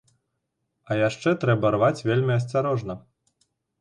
А яшчэ трэба рваць вельмі асцярожна.